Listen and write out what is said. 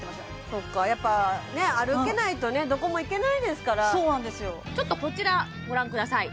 そっかやっぱね歩けないとどこも行けないですからちょっとこちらご覧ください